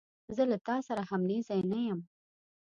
زه له تا سره همنیزی نه یم.